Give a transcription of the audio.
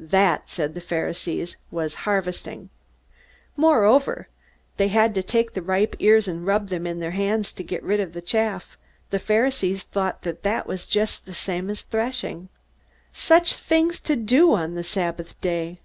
That, said the Pharisees, was harvesting! Moreover, they had to take the ripe ears and rub them in their hands to get rid of the chaff. The Pharisees thought that that was just the same as threshing! Such things to do on the Sabbath Day!